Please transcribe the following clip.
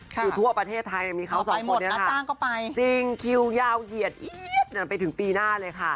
คือทั่วประเทศไทยมีเขาสองคนจริงคิวยาวเหยียดอี๊ยดไปถึงปีหน้าเลยค่ะ